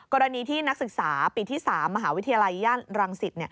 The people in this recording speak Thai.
กรณีที่นักศึกษาปีที่๓มหาวิทยาลัยย่านรังสิต